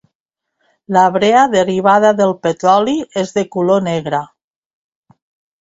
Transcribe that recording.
La brea derivada del petroli és de color negre.